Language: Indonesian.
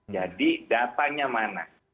jadi datanya mana